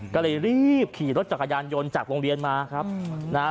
ก็เลยรีบขี่รถจักรยานยนต์จากโรงเรียนมาครับนะฮะ